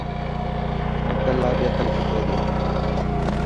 نڪل لا بي عقل کپي تي.